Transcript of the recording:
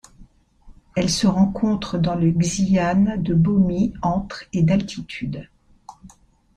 Elle se rencontre dans le xian de Bomi entre et d'altitude.